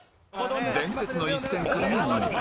伝説の一戦からの問題